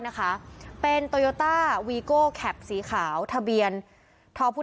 นะคะเป็นโตโยต้าวีโก้แคปสีขาวทะเบียนทอพู